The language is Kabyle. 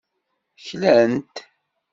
Klan-t.